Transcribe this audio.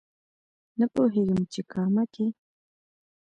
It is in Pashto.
نه پوهېږم چې کامه کې